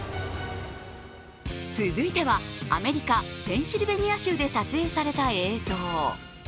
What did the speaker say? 続いては、アメリカ・ペンシルベニア州で撮影された映像。